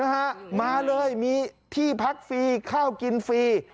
นะฮะมาเลยมีที่พักฟรีข้าวกินฟรี